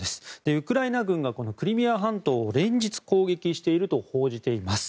ウクライナ軍がクリミア半島を連日攻撃していると報じています。